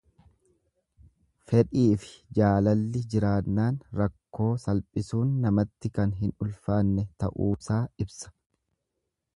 Fedhiifi jaalalli jiraannaan rakkoo salphisuun namatti kan hin ulfaanne ta'uusaa ibsa.